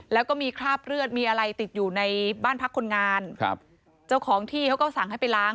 แล้วก็มีคราบเลือดมีอะไรติดอยู่ในบ้านพักคนงานครับเจ้าของที่เขาก็สั่งให้ไปล้าง